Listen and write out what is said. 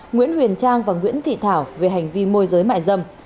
nguyễn huyền trang và nguyễn thị thảo về hành vi môi giới mại dâm